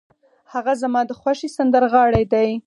هغه زما د خوښې سندرغاړی دی.